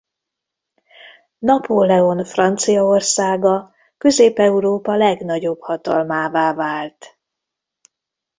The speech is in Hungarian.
Napóleon Franciaországa Közép-Európa legnagyobb hatalmává vált.